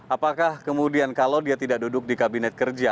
apakah kemudian kalau dia tidak duduk di kabinet kerja